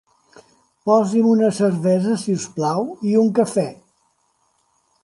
Posi'm una cervesa, si us plau, i un cafè.